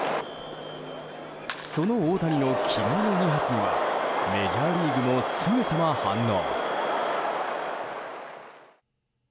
その大谷の昨日の２発にはメジャーリーグもすぐさま反応。